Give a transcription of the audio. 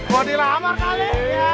wadilah amat kali